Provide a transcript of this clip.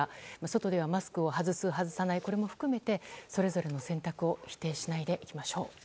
外ではマスクを外す、外さないこれも含めてそれぞれの選択を否定しないでいきましょう。